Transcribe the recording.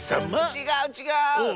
ちがうちがう！